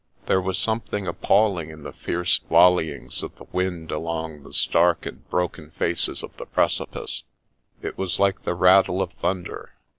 There was something appalling in the fierce volleyings of the wind along the stark and broken faces of the precipice : it was like the rattle of thun der.